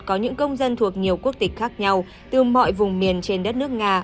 có những công dân thuộc nhiều quốc tịch khác nhau từ mọi vùng miền trên đất nước nga